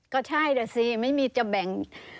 ก็ใช่แหละสิไม่มีจะแบ่ง